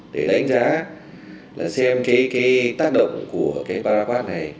để đánh giá là xem cái tác động của cái parapad này